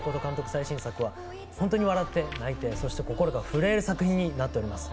最新作は本当に笑って泣いて、そして心が震える作品になっております。